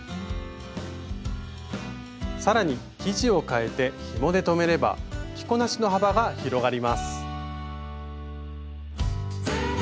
更に生地をかえてひもで留めれば着こなしの幅が広がります。